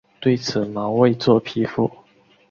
对此毛未作批复。